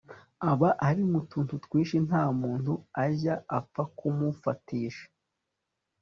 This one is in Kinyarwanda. aba ari mutuntu twinshi ntamuntu ujya apfa kumufatisha